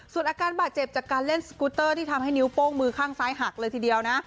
ส่วนอาการบาดเจ็บจากการเล่นสกูเตอร์ที่ทำให้นิ้วโป้งมือข้างซ้ายหักเลยทีเดียวนะ